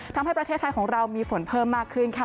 ทำให้ประเทศไทยของเรามีฝนเพิ่มมากขึ้นค่ะ